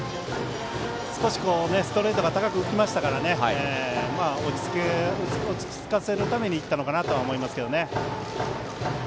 少しストレートが高く浮いたので落ち着かせるために行ったのかなと思いますね。